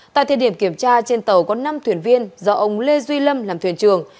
tại thời điểm kiểm tra trên tàu có năm thuyền viên do ông lê duy lâm làm thuyền trường